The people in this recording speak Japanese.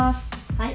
はい。